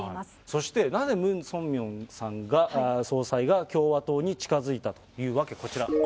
そして、なぜムン・ソンミョンさんが、総裁が共和党に近づいたという訳、こちら。